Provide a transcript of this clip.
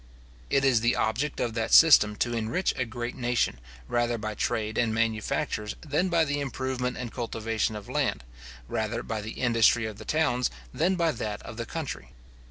It is the object of that system to enrich a great nation, rather by trade and manufactures than by the improvement and cultivation of land, rather by the industry of the towns than by that of the country.